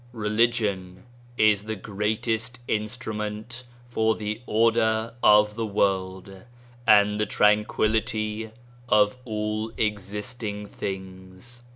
Religion is the greatest instrument for the order of the world and the tranquility of all existing things."